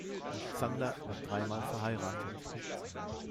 Sander war dreimal verheiratet.